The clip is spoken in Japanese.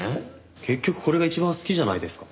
結局これが一番好きじゃないですか。